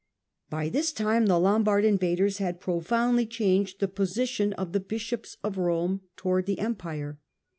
By this time the Lombard invasions had profoundly The Pope changed the position of the Bishops of Rome towards Lombards the Empire.